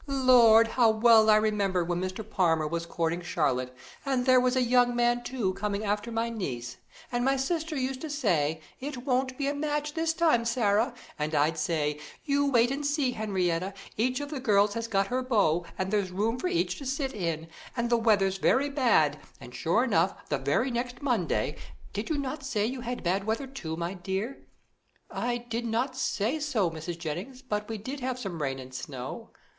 Lord! how well I remember when Mr. Palmer was courting Charlotte, and there was a young man, too, coming after my niece, and my sister used to say: 'It won't be a match this time, Sarah,' and I'd say, 'You wait and see Henrietta; each of the girls has got her beau, and there's a room for each to sit in; and the weather's very bad;' and sure enough, the very next Monday did you not say you had bad weather, too, my dear?" "I did not say so, Mrs. Jennings, but we did have some rain and snow."